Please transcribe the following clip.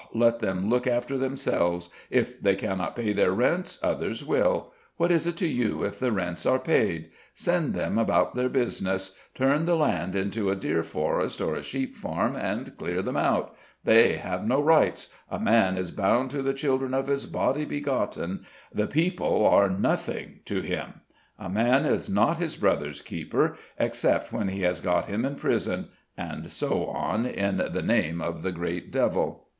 Let them look after themselves! If they cannot pay their rents, others will; what is it to you if the rents are paid? Send them about their business; turn the land into a deer forest or a sheep farm, and clear them out! They have no rights! A man is bound to the children of his body begotten; the people are nothing to him! A man is not his brother's keeper except when he has got him in prison! And so on, in the name of the great devil!"